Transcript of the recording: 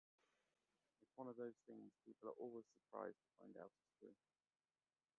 It's one of those things people are always surprised to find out is true.